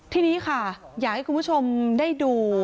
ทีนี้ค่ะอยากให้คุณผู้ชมได้ดู